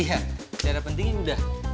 acara pentingnya udah